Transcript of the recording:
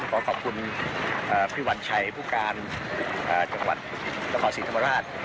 ขอขอบคุณอ่าพี่วันชัยผู้การอ่าจังหวัดนครสิทธิ์ธรรมราช